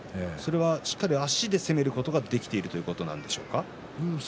しっかり足で攻めることができるということですか？